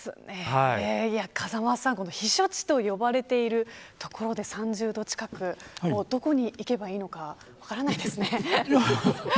風間さん、避暑地と呼ばれている所で３０度近くどこに行けばいいのか分からないですね。